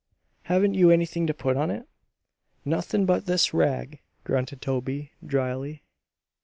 Haven't you anything to put on it?" "Nothin' but this rag," grunted Toby, drily.